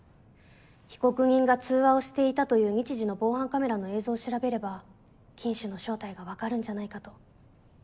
被告人が通話をしていたという日時の防犯カメラの映像を調べれば金主の正体が分かるんじゃないかと。